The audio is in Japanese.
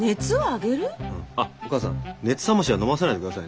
あっお母さん熱冷ましはのませないでくださいね。